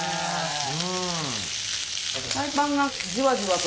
うん。